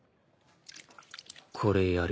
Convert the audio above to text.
これやる。